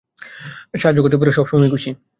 সাহায্য করতে পেরে সবসময়ই খুশি।